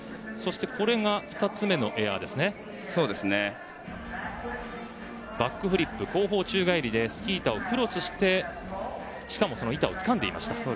そして２つ目のエアはバックフリップ、後方宙返りでスキー板をクロスしてしかも板をつかんでいました。